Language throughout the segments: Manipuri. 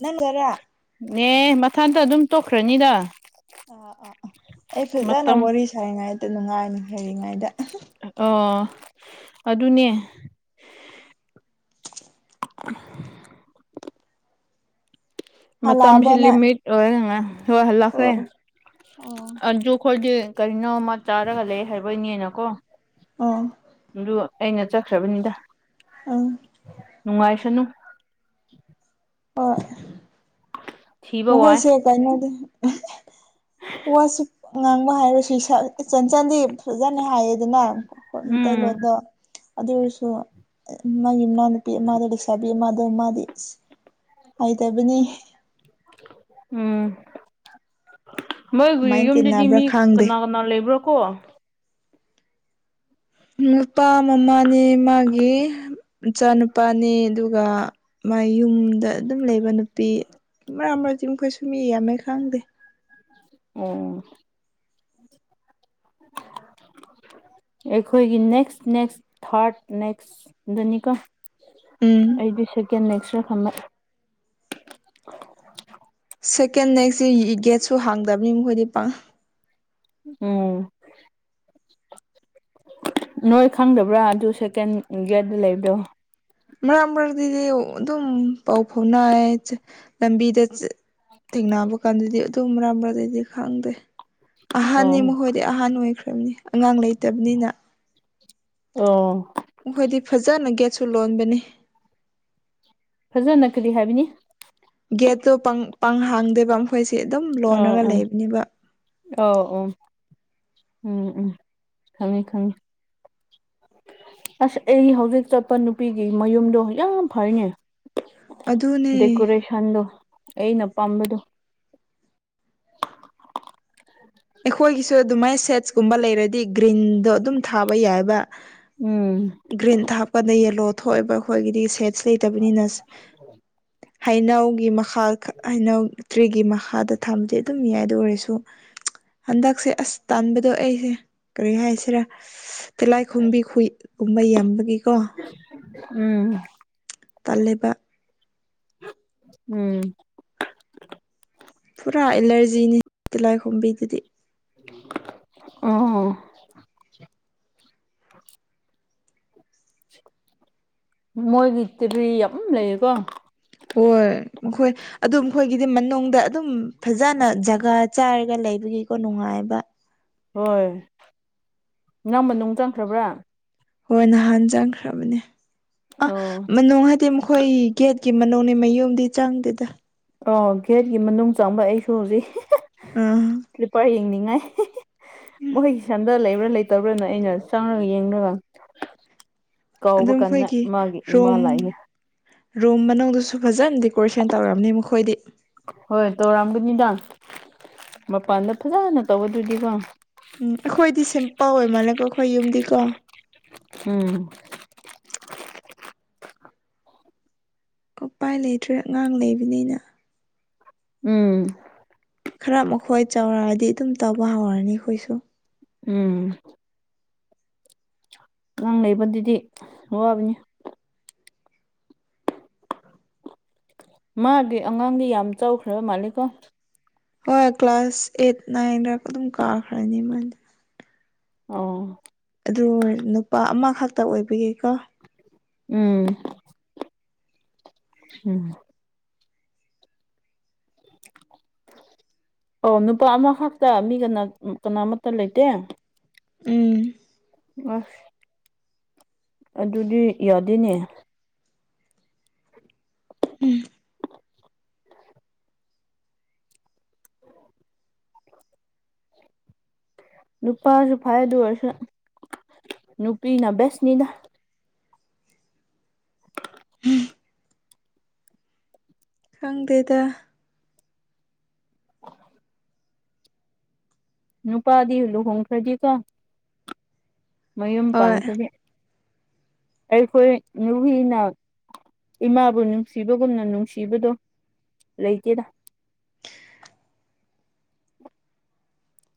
ꯅꯡꯒꯔ ꯅꯦ ꯃꯊꯟꯇ ꯑꯗꯨꯝ ꯇꯣꯛꯈ꯭ꯔꯅꯤꯗ ꯑꯥ ꯑꯥ ꯑꯥ ꯑꯩ ꯐꯖꯅ ꯃꯇꯝ ꯋꯥꯔꯤ ꯁꯥꯔꯤꯉꯩꯗ ꯅꯨꯡꯉꯥꯏ ꯍꯥꯏꯔꯤꯉꯩꯗ ꯑꯣ ꯑꯗꯨꯅꯦ [unintelligible] ꯃꯇꯝ ꯍꯜꯂꯛꯑꯕ ꯁꯤ ꯅꯪ ꯂꯤꯃꯤꯠ ꯑꯣꯏꯔꯉ ꯍꯣꯏ ꯍꯜꯂꯈ꯭ꯔꯦ ꯑꯣ ꯑꯣ ꯑꯗꯨ ꯑꯩꯈꯣꯏꯗꯤ ꯀꯔꯤꯅꯣꯃ ꯆꯥꯔꯒ ꯂꯩ ꯍꯥꯏꯕ ꯅꯦꯅꯀꯣ ꯑꯥ ꯑꯩꯅ ꯆꯠꯈ꯭ꯔꯕꯅꯤꯗ ꯑꯪ ꯅꯨꯡꯉꯥꯏꯁꯅꯨ ꯍꯣꯏ ꯊꯤꯕ ꯋꯥꯏ ꯃꯈꯣꯏꯁꯦ ꯀꯩꯅꯣꯗ ꯋꯥꯁꯨ ꯉꯥꯡꯕ ꯍꯥꯏꯔꯁꯨ ꯏꯁꯥꯗ ꯆꯟꯆꯟꯗꯤ ꯐꯖꯅ ꯍꯥꯏꯌꯦꯗꯅ ꯍꯣꯠꯅ ꯎꯝ ꯃꯩꯇꯩꯂꯣꯟꯗꯣ ꯑꯗꯨ ꯑꯣꯏꯔꯁꯨ ꯃꯥꯒꯤ ꯏꯅꯥꯎꯅꯨꯄꯤ ꯑꯃꯗ ꯂꯩꯁꯥꯕꯤ ꯄꯤ ꯃꯗꯨ ꯃꯥꯗꯤ ꯍꯥꯏꯗꯕꯅꯤ ꯎꯝ ꯃꯣꯏꯒꯤ ꯀꯃꯥꯏꯅ ꯌꯨꯝꯁꯤꯗꯤ ꯇꯤꯟꯅꯕ꯭ꯔꯥ ꯃꯤ ꯈꯪꯗꯦ ꯀꯅꯥ ꯀꯅꯥ ꯂꯩꯕ꯭ꯔꯣ ꯀꯣ ꯅꯨꯄꯥ ꯃꯃꯥꯅꯤ ꯃꯥꯒꯤ ꯏꯆꯥ ꯅꯨꯨꯄꯥꯅꯤ ꯑꯗꯨꯒ ꯃꯥꯌꯨꯝꯗ ꯑꯗꯨꯝ ꯂꯩꯕ ꯅꯨꯄꯤ ꯑꯃ ꯆꯝ ꯀꯩꯁꯨ ꯃꯤ ꯌꯥꯝꯃꯦ ꯈꯪꯗꯦ ꯑꯣ ꯑꯩꯈꯣꯏꯒꯤ ꯅꯦꯛꯁ ꯅꯦꯛꯁ ꯊꯥꯔꯠ ꯅꯦꯛꯁ ꯗꯅꯤꯀꯣ ꯎꯝ ꯑꯩꯗꯤ ꯁꯦꯀꯦꯟ ꯅꯦꯛꯁꯔ ꯈꯟꯕ ꯁꯦꯀꯦꯟ ꯅꯦꯛꯁꯁꯤ ꯒꯦꯠꯁꯨ ꯍꯥꯡꯗꯕꯅꯤ ꯃꯈꯣꯏꯗꯤ ꯄꯥ ꯎꯝ ꯅꯣꯏ ꯈꯪꯗꯕ꯭ꯔꯥ ꯑꯗꯨ ꯁꯦꯀꯦꯟ ꯒꯦꯠꯗ ꯂꯩꯕꯗꯣ ꯃꯔꯛ ꯃꯔꯛꯇꯗꯤ ꯑꯗꯨꯝ ꯄꯥꯎ ꯐꯥꯎꯅꯥꯏ ꯂꯝꯕꯤꯗ ꯆꯠ ꯊꯦꯡꯅꯕ ꯀꯥꯟꯗꯗꯤ ꯑꯗꯨꯝ ꯃꯔꯛ ꯃꯔꯛꯗꯗꯤ ꯈꯪꯗꯦ ꯑꯍꯥꯟꯅꯤ ꯑꯣ ꯃꯈꯣꯏꯗꯤ ꯑꯍꯥꯟ ꯑꯣꯏꯈ꯭ꯔꯕꯅꯤ ꯑꯉꯥꯡ ꯂꯩꯇꯕꯅꯤꯅ ꯑꯣ ꯃꯈꯣꯏꯗꯤ ꯐꯖꯅ ꯒꯦꯠꯁꯨ ꯂꯣꯟꯕꯅꯤ ꯐꯖꯅ ꯀꯔꯤ ꯍꯥꯏꯕꯤꯅꯤ ꯒꯦꯠꯇꯣ ꯄꯪ ꯄꯪ ꯍꯥꯡꯗꯦꯕ ꯑꯩꯈꯣꯏꯁꯦ ꯑꯗꯨꯝ ꯑꯥ ꯂꯣꯟꯂꯒ ꯑꯥ ꯂꯩꯕꯅꯦꯕ ꯑꯧ ꯑꯣ ꯎꯝ ꯎꯝ ꯈꯪꯉꯦ ꯈꯪꯉꯦ ꯑꯁ ꯑꯩ ꯍꯧꯖꯤꯛ ꯆꯠꯄ ꯅꯨꯄꯤꯒꯤ ꯃꯌꯨꯝꯗꯣ ꯌꯥꯝ ꯐꯩꯅꯦ ꯑꯗꯨꯅꯦ ꯗꯦꯀꯣꯔꯦꯁꯟꯗꯣ ꯑꯩꯩꯅ ꯄꯥꯝꯕꯗꯨ ꯑꯩꯈꯣꯏꯒꯤꯁꯨ ꯑꯗꯨꯃꯥꯏꯅ ꯁꯦꯠꯁꯀꯨꯝꯕ ꯂꯩꯔꯗꯤ ꯒ꯭ꯔꯤꯟꯗꯣ ꯑꯗꯨꯝ ꯊꯥꯕ ꯌꯥꯏꯕ ꯎꯝ ꯒ꯭ꯔꯤꯟ ꯍꯥꯞꯀꯥꯟꯗ ꯌꯦꯂꯣ ꯊꯣꯛꯑꯦꯕ ꯑꯩꯈꯣꯏꯒꯤꯗꯤ ꯁꯦꯠ ꯏꯁꯩꯇꯕꯅꯤꯅ ꯍꯩꯅꯧꯒꯤ ꯃꯈꯥ ꯈꯛ ꯍꯩꯅꯧ ꯇ꯭ꯔꯤꯒꯤ ꯃꯈꯥꯗ ꯊꯝꯖꯦ ꯑꯗꯨꯝ ꯌꯥꯏꯗ ꯑꯗꯨ ꯑꯣꯏꯔꯁꯨ ꯍꯟꯗꯛꯁꯦ ꯑꯁ ꯇꯥꯝꯕꯗꯣ ꯑꯩꯁꯦ ꯀꯔꯤ ꯍꯥꯏꯁꯤꯔꯥ ꯇꯤꯂꯥꯏꯈꯣꯝꯕꯤ ꯈꯨꯏ ꯃꯩꯌꯥꯝꯕꯒꯤꯀꯣ ꯎꯝ ꯇꯜꯂꯦꯕ ꯎꯝ ꯄꯨꯔꯥ ꯑꯦꯂꯔꯖꯤꯅꯤ ꯇꯤꯂꯥꯏ ꯈꯣꯝꯕꯤꯗꯨꯗꯤ ꯑꯣ ꯃꯣꯏꯒꯤ ꯇꯤꯕꯤ ꯌꯥꯝ ꯂꯩꯌꯦꯀꯣ ꯍꯣꯏ ꯃꯈꯣꯏ ꯑꯗꯨ ꯃꯈꯣꯏꯒꯤꯗꯤ ꯃꯅꯨꯡꯗ ꯑꯗꯨꯝ ꯐꯖꯅ ꯖꯒꯥ ꯆꯥꯔꯒ ꯂꯩꯕꯒꯤꯀꯣ ꯅꯨꯡꯉꯥꯏꯕ ꯍꯣꯏ ꯅꯪ ꯃꯅꯨꯡ ꯆꯪꯈ꯭ꯔꯕ꯭ꯔꯥ ꯍꯣꯏ ꯅꯍꯥꯟ ꯆꯪꯈ꯭ꯔꯕꯅꯦ ꯑꯥ ꯑꯣ ꯃꯅꯨꯡ ꯍꯥꯏꯗꯤ ꯃꯈꯣꯏ ꯒꯦꯠ ꯀꯤ ꯃꯅꯨꯡꯅꯦ ꯃꯌꯨꯝꯗꯤ ꯆꯥꯡꯗꯦꯗ ꯑꯣ ꯒꯦꯠꯀꯤ ꯃꯅꯨꯡ ꯆꯪꯕ ꯑꯩꯁꯨ ꯍꯧꯖꯤꯛ ꯑꯥ ꯀ꯭ꯂꯤꯄꯔ ꯌꯦꯡꯅꯤꯡꯉꯥꯏ ꯃꯣꯏꯒꯤ ꯁꯟꯗꯜ ꯂꯩꯕ꯭ꯔꯥ ꯂꯩꯇꯕ꯭ꯔꯥꯅ ꯑꯩꯅ ꯆꯪꯔꯒ ꯌꯦꯡꯂꯒ ꯀꯧꯕ ꯑꯗꯨꯝ ꯀꯥꯟꯗ ꯑꯩꯈꯣꯏꯒꯤ ꯃꯥꯒꯤ ꯏꯃꯥ ꯔꯨꯝ ꯂꯥꯛꯏꯅꯦ ꯔꯨꯝ ꯃꯅꯨꯡꯗꯨꯁꯨ ꯐꯖꯅ ꯗꯦꯀꯣꯔꯦꯁꯟ ꯇꯧꯔꯕꯅꯤ ꯃꯈꯣꯏꯗꯤ ꯍꯣꯏ ꯇꯧꯔꯝꯒꯅꯤꯗꯥ ꯃꯄꯥꯟꯗ ꯐꯖꯅ ꯇꯧꯕꯗꯨꯗꯤꯀꯣ ꯎꯝ ꯑꯈꯣꯏꯗꯤ ꯁꯤꯝꯄꯜ ꯑꯣꯏꯃꯜꯂꯦꯀꯣ ꯑꯈꯣꯏ ꯌꯨꯝꯗꯤꯀꯣ ꯎꯝ ꯎꯄꯥꯏ ꯂꯩꯇ꯭ꯔꯦ ꯑꯉꯥꯡ ꯂꯩꯕꯅꯤꯅ ꯎꯝ ꯈꯔ ꯃꯈꯣꯏ ꯆꯥꯎꯔꯛꯑꯗꯤ ꯑꯗꯨꯝ ꯇꯧꯕ ꯍꯧꯔꯅꯤ ꯈꯣꯏꯁꯨ ꯎꯝ ꯑꯉꯥꯡ ꯂꯩꯕꯗꯗꯤ ꯋꯥꯕꯅꯤ ꯃꯥꯒꯤ ꯑꯉꯥꯡꯗꯤ ꯌꯥꯝ ꯆꯥꯎꯈ꯭ꯔꯕ ꯃꯥꯜꯂꯤꯀꯣ ꯍꯣꯏ ꯀ꯭ꯂꯥꯁ ꯑꯦꯠ ꯅꯥꯏꯟꯗ ꯑꯗꯨꯝ ꯀꯥꯈ꯭ꯔꯅꯤ ꯃꯥꯏꯗꯤ ꯑꯣ ꯑꯗꯨ ꯅꯨꯄꯥ ꯑꯃꯈꯛꯇ ꯑꯣꯏꯕꯒꯤꯀꯣ ꯎꯝ ꯎꯝ [inaudible] ꯑꯣ ꯅꯨꯄꯥ ꯑꯃꯈꯥꯛꯇ ꯃꯤ ꯀꯅꯥ ꯀꯅꯥ ꯃꯠꯇ ꯂꯩꯇꯦ ꯎꯝ ꯑꯁ ꯑꯗꯨꯗꯤ ꯌꯥꯗꯦꯅꯦ ꯎꯝ [inaudible] ꯅꯨꯄꯥꯁꯨ ꯐꯥꯏ ꯑꯗꯨ ꯑꯣꯏꯔꯁꯨ ꯅꯨꯄꯤꯅ ꯕꯦꯁꯅꯤꯗ ꯈꯪꯗꯦꯗ ꯅꯨꯄꯥꯗꯤ ꯂꯨꯍꯣꯡꯈ꯭ꯔꯗꯤꯀꯣ ꯃꯌꯨꯝ ꯍꯣꯏ ꯄꯥꯟꯈ꯭ꯔꯗꯤ ꯑꯈꯣꯏ ꯅꯨꯨꯄꯤꯅ ꯏꯃꯥꯕꯨ ꯅꯨꯡꯁꯤꯕꯒꯨꯝꯅ ꯅꯨꯡꯁꯤꯕꯗꯣ ꯂꯩꯇꯦꯗꯥ [inaudible]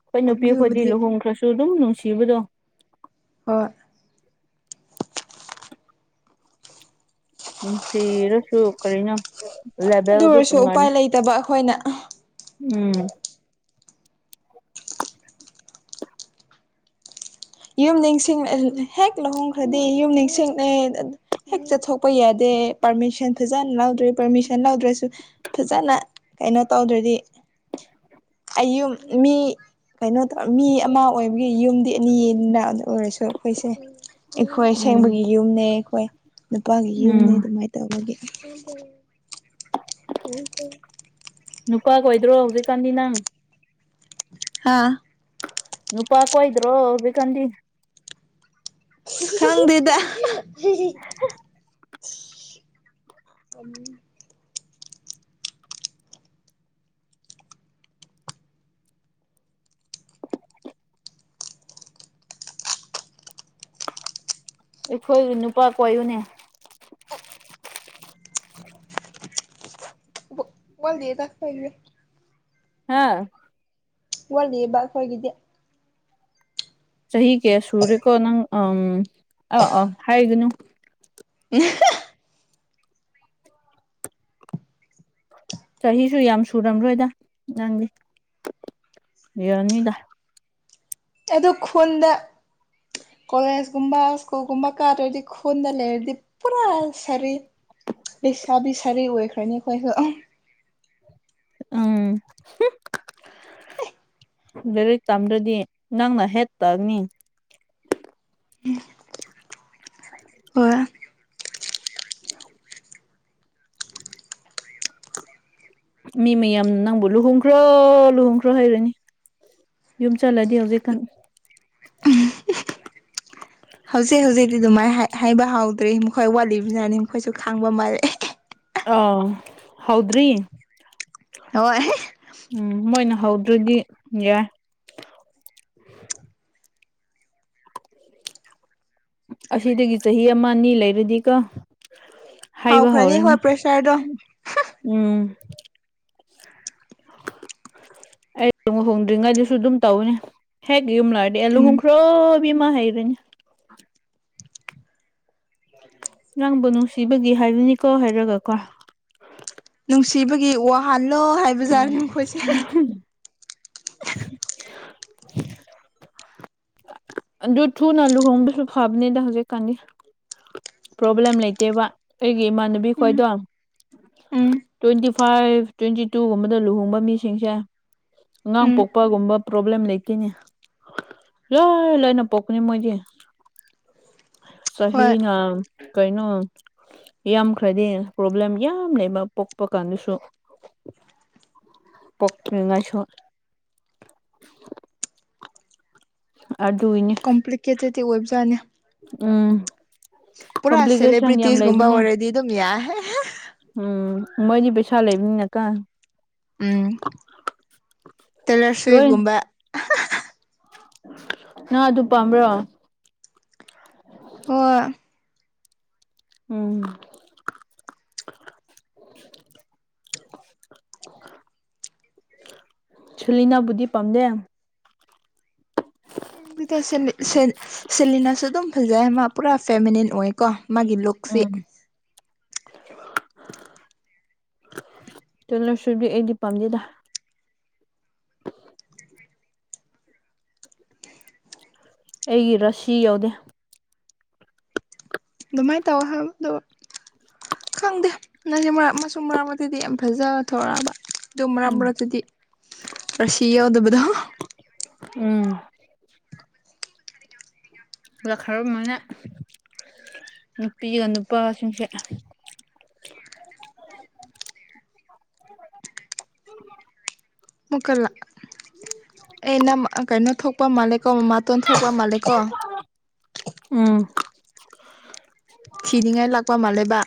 ꯈꯣꯏ ꯅꯨꯄꯤ ꯑꯈꯣꯏꯗꯤ ꯑꯗꯨꯕꯨꯗꯤ ꯂꯨꯍꯣꯡꯈ꯭ꯔꯁꯨ ꯑꯗꯨꯝ ꯅꯨꯡꯁꯤꯕꯗꯣ ꯍꯣꯏ ꯅꯨꯡꯁꯤꯔꯁꯨ ꯀꯔꯤꯅꯣ ꯑꯗꯨ ꯂꯦꯚꯦꯜꯗꯨ ꯑꯣꯏꯔꯁꯨ ꯎꯄꯥꯏ ꯇꯣꯉꯥꯟꯅ ꯂꯩꯇꯕ ꯑꯈꯣꯏꯅ ꯎꯝ ꯌꯨꯝ ꯅꯤꯡꯁꯤꯡ ꯑ ꯍꯦꯛ ꯂꯨꯍꯣꯡꯈ꯭ꯔꯗꯤ ꯌꯨꯝ ꯅꯤꯡꯁꯤꯡꯅꯩ ꯍꯦꯛ ꯆꯠꯊꯣꯛꯄ ꯌꯥꯗꯦ ꯑꯦ ꯄꯥꯔꯃꯤꯁꯟ ꯐꯖꯅ ꯂꯧꯗ꯭ꯔꯦ ꯄꯥꯔꯃꯤꯁꯟ ꯂꯧꯗ꯭ꯔꯁꯨ ꯐꯖꯅ ꯀꯩꯅꯣ ꯇꯧꯗ꯭ꯔꯗꯤ ꯑꯩ ꯌꯨꯝ ꯃꯤ ꯀꯩꯅꯣ ꯇꯧ ꯃꯤ ꯑꯃ ꯑꯣꯏꯕꯒꯤ ꯌꯨꯝꯗꯤ ꯑꯅꯤ ꯅ ꯑꯣꯏꯔꯁꯨ ꯑꯈꯣꯏꯁꯦ ꯑꯩꯈꯣꯏ ꯎꯝ ꯑꯁꯦꯡꯕꯒꯤ ꯌꯨꯝꯅꯦ ꯑꯩꯈꯣꯏ ꯅꯨꯄꯥꯒꯤ ꯌꯨꯝꯅꯦ ꯎꯝ ꯑꯗꯨꯃꯥꯏꯅ ꯇꯧꯕꯒꯤ [inaudible] ꯅꯨꯄꯥ ꯀꯣꯏꯗ꯭ꯔꯣ ꯍꯧꯖꯤꯛꯀꯥꯟꯗꯤ ꯅꯪ ꯍꯥꯥ ꯅꯨꯄꯥ ꯀꯣꯏꯗ꯭ꯔꯣ ꯍꯧꯖꯤꯛꯀꯥꯟꯗꯤ ꯈꯪꯗꯦꯗ [inaudible] ꯑꯈꯣꯏꯒꯤ ꯅꯨꯄꯥ ꯀꯣꯏꯌꯨꯅꯦ ꯋꯥꯠꯂꯤꯗ ꯑꯩꯈꯣꯏꯒꯤ [unintelligible] ꯍꯥꯥ ꯋꯥꯠꯂꯤꯑꯦꯕ ꯑꯩꯈꯣꯏꯒꯤꯗꯤ ꯆꯍꯤ ꯀꯌꯥ ꯁꯨꯔꯦꯀꯣ ꯅꯪ ꯎ ꯑꯥ ꯑꯥ ꯍꯥꯏꯒꯅꯨ [unintelligible] ꯆꯍꯤꯁꯨ ꯌꯥꯝ ꯁꯨꯔꯝꯔꯣꯏꯗ ꯅꯪꯗꯤ ꯌꯥꯅꯤꯗ ꯑꯗꯨ ꯈꯨꯟꯗ ꯀꯣꯂꯦꯖꯀꯨꯝꯕ ꯁ꯭ꯀꯨꯜꯒꯨꯝꯕ ꯀꯥꯗ꯭ꯔꯗꯤ ꯈꯨꯟꯗ ꯂꯩꯔꯗꯤ ꯄꯨꯔꯥ ꯁꯔꯤ ꯂꯩꯁꯥꯕꯤ ꯁꯥꯔꯤ ꯑꯣꯏꯈ꯭ꯔꯅꯤ ꯑꯩ ꯈꯣꯏꯁꯨ ꯎꯪ ꯍꯨ ꯂꯥꯏꯔꯤꯛ ꯇꯝꯗ꯭ꯔꯗꯤ ꯅꯪꯅ ꯍꯦꯠ ꯇꯥꯅꯤ ꯍꯣꯢ [inaudible] ꯃꯤ ꯃꯌꯥꯝ ꯅꯪꯕꯨ ꯂꯨꯍꯣꯡꯈ꯭ꯔꯣ ꯂꯨꯍꯣꯡꯈ꯭ꯔꯣ ꯍꯥꯏꯔꯅꯤ ꯌꯨꯝ ꯆꯠꯂꯗꯤ ꯍꯧꯖꯤꯛꯀꯥꯟ ꯑꯝ ꯍꯨ ꯍꯧꯖꯤꯛ ꯍꯧꯖꯤꯛꯇꯤ ꯑꯗꯨꯃꯥꯏꯅ ꯍꯥꯏ ꯍꯥꯏꯕ ꯍꯧꯗ꯭ꯔꯤ ꯃꯈꯣꯏ ꯋꯥꯠꯂꯤꯕꯖꯥꯠꯅꯦ ꯃꯈꯣꯏꯁꯨ ꯈꯪꯕ ꯃꯥꯜꯂꯦ ꯑꯣ ꯍꯧꯗ꯭ꯔꯤ ꯍꯣꯢ ꯎꯝ ꯃꯣꯏꯅ ꯍꯧꯗ꯭ꯔꯗꯤ ꯌꯥꯏ ꯑꯁꯤꯗꯒꯤ ꯆꯍꯤ ꯑꯃ ꯑꯅꯤ ꯂꯩꯔꯗꯤꯀꯣ ꯍꯥꯢꯕ ꯍꯥꯎꯈ꯭ꯔꯅꯤ ꯍꯧꯔꯅꯤ ꯍꯣꯏ ꯄ꯭ꯔꯦꯁꯔꯗꯣ ꯎꯝ ꯑꯩ ꯂꯨꯍꯣꯡꯗ꯭ꯔꯤꯉꯩꯗꯁꯨ ꯑꯗꯨꯝ ꯇꯧꯕꯅꯦ ꯍꯦꯛ ꯌꯨꯝ ꯂꯩꯔꯗꯤ ꯎꯝ ꯂꯨꯍꯣꯡꯈ꯭ꯔꯣ ꯏꯕꯦꯝꯃꯥ ꯍꯥꯏꯕꯅꯤ ꯅꯪꯕꯨ ꯅꯨꯡꯁꯤꯕꯒꯤ ꯍꯥꯏꯕꯅꯤꯀꯣ ꯍꯥꯏꯔꯒꯀꯣ ꯅꯨꯡꯁꯤꯕꯒꯤ ꯋꯥꯍꯜꯂꯣ ꯍꯥꯏꯕꯖꯥꯅꯦ ꯃꯈꯣꯏꯁꯦ [inaudible] ꯑꯗꯨ ꯊꯨꯅ ꯂꯨꯍꯣꯡꯕꯁꯨ ꯐꯕꯅꯦꯗ ꯍꯧꯖꯤꯛꯀꯥꯟꯗꯤ ꯄ꯭ꯔꯣꯕ꯭ꯂꯦꯝ ꯂꯩꯇꯦꯕ ꯑꯩꯒꯤ ꯏꯃꯥꯟꯅꯕꯤ ꯎꯝ ꯈꯣꯏꯗꯣ ꯎꯝ ꯇ꯭ꯋꯦꯟꯇꯤ ꯐꯥꯏꯚ ꯇ꯭ꯋꯦꯟꯇꯤ ꯇꯨꯒꯨꯝꯕꯗ ꯂꯨꯍꯣꯡꯕ ꯃꯤꯁꯤꯡꯁꯦ ꯑꯉꯥꯡ ꯎꯝ ꯄꯣꯛꯄꯒꯨꯝꯕ ꯄ꯭ꯔꯣꯕ꯭ꯂꯦꯝ ꯂꯩꯇꯦꯅꯦ ꯂꯣꯏ ꯂꯥꯏꯅ ꯄꯣꯛꯄꯅꯦ ꯃꯣꯏꯗꯤ ꯍꯣꯏ ꯆꯍꯤꯅ ꯀꯩꯅꯣ ꯌꯥꯝꯈ꯭ꯔꯗꯤ ꯄ꯭ꯔꯣꯕ꯭ꯂꯦꯝ ꯌꯥꯝ ꯂꯩꯕ ꯄꯣꯛꯄ ꯀꯥꯟꯗꯁꯨ [inaudible] ꯄꯣꯛꯇ꯭ꯔꯤꯉꯩꯁꯨ ꯑꯗꯨꯢꯅꯦ ꯇꯤ ꯑꯣꯏꯕꯖꯥꯠꯅꯦ ꯎꯝ ꯄꯨꯔꯥ ꯀꯣꯝꯄ꯭ꯂꯤꯀꯦꯁꯟ ꯌꯥꯝ ꯁꯦꯂꯦꯕ꯭ꯔꯤꯇꯤꯁꯒꯨꯝꯕꯥ ꯂꯩꯕꯅꯦ ꯑꯣꯢꯔꯗꯤ ꯑꯗꯨꯝ ꯌꯥꯢ ꯍꯥꯍꯥ ꯎꯝ ꯃꯣꯏꯗꯤ ꯄꯩꯁꯥ ꯂꯩꯕꯅꯤꯅ ꯀꯣ ꯎꯝ ꯇꯦꯂꯔ ꯁꯋꯨꯏꯞ ꯀꯨꯝꯕ ꯅꯪ ꯑꯗꯨ ꯄꯥꯝꯕ꯭ꯔꯣ ꯍꯣꯏ ꯎꯝ ꯆꯂꯤꯅꯥꯕꯨꯗꯤ ꯄꯥꯝꯗꯦ ꯁꯦꯂꯤ ꯁꯦꯟ ꯁꯦꯂꯤꯅꯥꯁꯨ ꯑꯗꯨꯝ ꯐꯖꯩ ꯃꯥ ꯄꯨꯔꯥ ꯐꯦꯃꯤꯅꯤꯟ ꯑꯣꯏꯀꯣ ꯃꯥꯒꯤ ꯂꯨꯛꯁꯤ ꯎꯝ [unintelligible] ꯇꯦꯂꯔ ꯁꯨꯏꯐꯗꯤ ꯑꯩꯗꯤ ꯄꯥꯝꯗꯦꯗ ꯑꯩꯒꯤ ꯔꯁꯤ ꯌꯥꯎꯗꯦ ꯑꯗꯨꯃꯥꯏ ꯇꯧ ꯍꯥꯏꯕꯗ ꯈꯪꯗꯦ ꯅꯪꯒꯤ ꯃꯔ ꯃꯆꯨꯝ ꯃꯔꯛ ꯃꯇꯛꯇꯨꯗꯤ ꯌꯥꯝ ꯐꯖꯕ ꯊꯣꯔꯛꯑꯕ ꯑꯗꯨ ꯃꯔꯛ ꯎꯝ ꯃꯔꯛꯇꯗꯤ ꯔꯁꯤ ꯌꯥꯎꯗꯕꯗꯣ ꯎꯝ [unintelligible] ꯅꯨꯄꯤꯒ ꯅꯨꯄꯥꯁꯤꯡꯁꯦ [inaudible] ꯃꯨꯀꯜꯂ ꯑꯩꯅ ꯀꯩꯅꯣ ꯊꯣꯛꯄ ꯃꯥꯂꯦꯀꯣ ꯃꯥ ꯇꯣꯟꯊꯣꯛꯄ ꯃꯥꯜꯂꯦꯀꯣ ꯎꯝ ꯊꯤꯅꯤꯡꯉꯥꯏ ꯂꯥꯛꯄ ꯃꯥꯜꯂꯦꯕ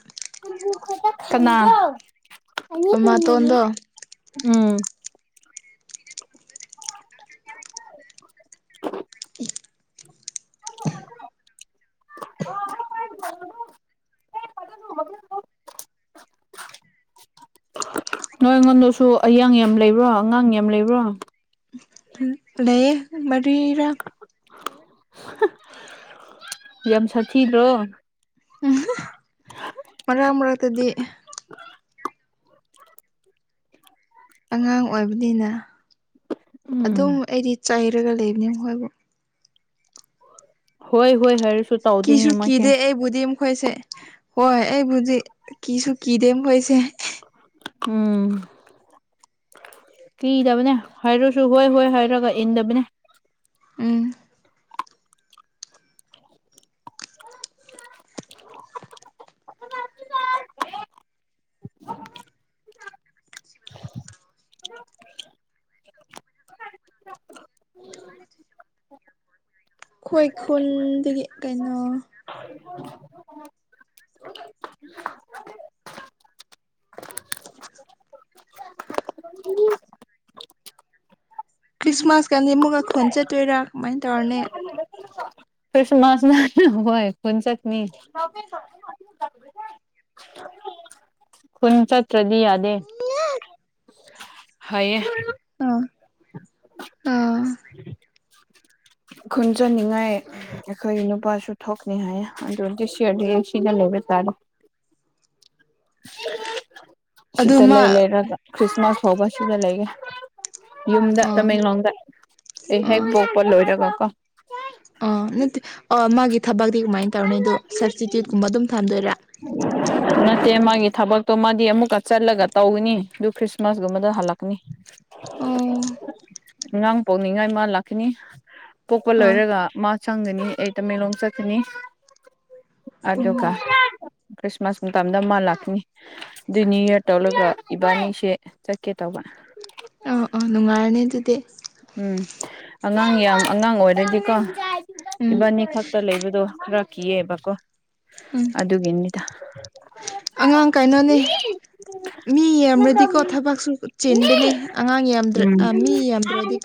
[inaudible] ꯀꯅꯥ ꯃꯃꯥꯇꯣꯟꯗꯣ ꯎꯝ [inaudible] [inaudible] [inaudible] [unintelligible] [unintelligible] ꯅꯣꯏ ꯑꯩꯉꯣꯟꯗꯁꯨ ꯑꯌꯥꯡ ꯌꯥꯝ ꯂꯩꯕ꯭ꯔꯣ ꯑꯉꯥꯡ ꯌꯥꯝ ꯂꯩꯕ꯭ꯔꯣ ꯂꯩꯌꯦ ꯃꯔꯤꯔꯥ ꯌꯥꯝ ꯁꯥꯊꯤꯗ꯭ꯔꯣ ꯎꯝ ꯃꯔ ꯃꯔꯛꯇꯗꯤ ꯑꯉꯥꯡ ꯑꯣꯏꯕꯅꯤꯅ ꯎꯝ ꯑꯗꯨꯝ ꯑꯩꯗꯤ ꯆꯩꯔꯒ ꯂꯩꯕꯅꯤ ꯃꯈꯣꯏꯕꯨ ꯍꯣꯏ ꯍꯣꯏ ꯍꯥꯔꯦ ꯀꯤꯁꯨ ꯀꯤꯗꯦ ꯑꯩꯕꯨꯗꯤ ꯑꯈꯣꯏꯁꯦ ꯍꯣꯏ ꯑꯩꯕꯨꯗꯤ ꯀꯤꯁꯨ ꯀꯤꯗꯦ ꯃꯈꯣꯏꯁꯦ ꯎꯝ ꯀꯤꯗꯕꯅꯦ ꯍꯥꯏꯔꯁꯨ ꯍꯣꯏ ꯍꯣꯏ ꯍꯥꯏꯔꯒ ꯏꯟꯗꯕꯅꯦ ꯎꯝ [unintelligible] [inaudible] ꯈꯣꯏ ꯈꯨꯜꯗꯒꯤ ꯀꯩꯅꯣ [inaudible] [unintelligible] ꯈ꯭ꯔꯤꯁꯃꯥꯁꯀꯗꯤ ꯑꯃꯨꯛꯒ ꯈꯣꯟ ꯆꯠꯇꯣꯏꯔ ꯀꯃꯥꯏꯅ ꯇꯧꯔꯅꯤ ꯈꯔꯤꯁꯃꯥꯁꯅ ꯍꯣꯏ ꯈꯨꯟ ꯆꯠꯀꯅꯤ ꯈꯨꯟ ꯆꯠꯇ꯭ꯔꯗꯤ ꯌꯥꯗꯦ ꯍꯩꯌꯦ ꯎꯝ ꯈꯨꯟ ꯆꯠꯅꯤꯡꯉꯥꯏ ꯑꯈꯣꯏ ꯅꯨꯄꯥꯁꯨ ꯊꯣꯛꯅꯤ ꯍꯥꯏ ꯑꯗꯨ ꯗꯤꯁ ꯌ꯭ꯔꯗꯤ ꯁꯤꯗ [unintelligible] [inaudible] ꯁꯤꯗ ꯃꯥ ꯂꯩ ꯂꯩꯔꯒ ꯈ꯭ꯔꯤꯁꯃꯥꯁ ꯐꯥꯎꯕ ꯁꯤꯗ ꯂꯩꯒꯦ ꯌꯨꯝꯗ ꯑꯥ ꯇꯃꯦꯡꯂꯣꯡꯗ ꯑꯩ ꯍꯦꯛ ꯄꯣꯛꯄ ꯂꯣꯏꯔꯒ ꯀꯣ ꯑꯣ ꯅꯠꯇꯦ ꯑꯣ ꯃꯥꯒꯤ ꯊꯕꯛꯇꯤ ꯀꯃꯥꯏꯟ ꯇꯧꯔꯅꯤ ꯑꯗꯨ ꯁꯞꯁꯇꯤꯇ꯭ꯌꯨꯠꯀꯨꯝꯕ ꯑꯗꯨꯝ ꯊꯝꯗꯣꯏꯔꯥ [inaudible] ꯅꯠꯇꯦ ꯃꯥꯒꯤ ꯊꯕꯛꯇꯣ ꯃꯥꯗꯤ ꯑꯃꯨꯛꯀ ꯆꯠꯂꯒ ꯇꯧꯒꯅꯤ ꯑꯗꯨ ꯈ꯭ꯔꯤꯁꯃꯥꯁꯀꯨꯝꯕꯗ ꯍꯜꯂꯛꯀꯅꯤ ꯑꯣ ꯑꯉꯥꯡ ꯄꯣꯛꯅꯤꯡꯉꯥꯏ ꯃꯥ ꯂꯥꯛꯀꯅꯤ ꯄꯣꯛꯄ ꯑꯥ ꯂꯣꯏꯔꯒ ꯃꯥ ꯆꯪꯒꯅꯤ ꯑꯩ ꯇꯃꯦꯡꯂꯣꯡ ꯆꯠꯀꯅꯤ ꯎꯝ ꯑꯗꯨꯒꯥ ꯈ꯭ꯔꯤꯁꯃꯥꯁ ꯃꯇꯝꯗ ꯃꯥ ꯂꯥꯛꯀꯅꯤ ꯑꯗꯨ ꯅꯤꯌꯨ ꯌꯥꯔ ꯇꯧꯂꯒ ꯏꯕꯥꯅꯤꯁꯦ ꯆꯠꯀꯦ ꯇꯧ [inaudible] ꯑꯥ ꯑꯥ ꯅꯨꯡꯉꯥꯏꯔꯅꯤ ꯑꯗꯨꯗꯤ ꯎꯝ ꯑꯉꯥꯡ ꯌꯥꯝ ꯑꯉꯥꯡ ꯑꯣꯏꯔꯗꯤꯀꯣ ꯎꯝ ꯏꯕꯥꯅꯤ ꯈꯛꯇ ꯂꯩꯕꯗꯣ ꯈꯔ ꯀꯤꯑꯦꯕꯀꯣ ꯎꯝ ꯑꯗꯨꯒꯤꯅꯤꯗꯥ ꯑꯉꯥꯡ ꯀꯩꯅꯣꯅꯤ ꯃꯤ ꯌꯥꯝꯔꯗꯤꯀꯣ ꯊꯕꯛꯁꯨ ꯆꯦꯟꯕꯅꯦ ꯑꯉꯥꯡ ꯌꯥꯝꯗ꯭ꯔ ꯎꯝ ꯃꯤ ꯌꯥꯝꯗ꯭ꯔꯗꯤ